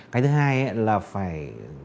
cái thứ hai là phải